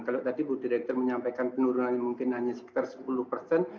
kalau tadi bu direktur menyampaikan penurunannya mungkin hanya sekitar sepuluh persen